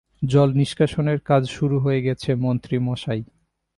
জল নিষ্কাশনের কাজ শুরু হয়ে গেছে, মন্ত্রী মশাই।